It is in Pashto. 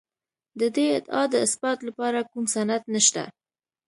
د دې ادعا د اثبات لپاره کوم سند نشته